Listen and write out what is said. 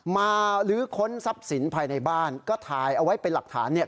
ลื้อค้นทรัพย์สินภายในบ้านก็ถ่ายเอาไว้เป็นหลักฐานเนี่ย